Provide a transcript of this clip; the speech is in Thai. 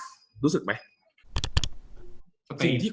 กับการสตรีมเมอร์หรือการทำอะไรอย่างเงี้ย